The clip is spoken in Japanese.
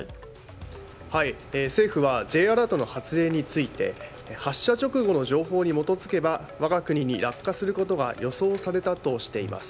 政府はＪアラートの発令について発射直後の情報に基づけば我が国に落下することが予想されたとしています。